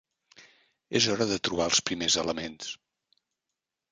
És hora de trobar els primers elements.